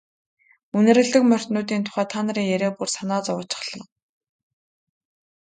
Үнэрлэдэг морьтнуудын тухай та нарын яриа бүр санаа зовоочихлоо.